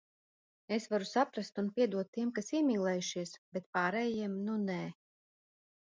Es varu saprast un piedot tiem, kas iemīlējušies, bet pārējiem- nu, nē.